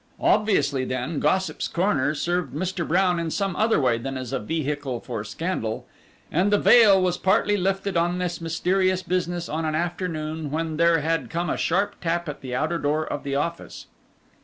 Obviously then Gossip's Corner served Mr. Brown in some other way than as a vehicle for scandal, and the veil was partly lifted on this mysterious business on an afternoon when there had come a sharp tap at the outer door of the office.